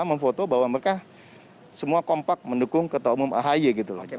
memfoto bahwa mereka semua kompak mendukung ketuk umum ahy gitu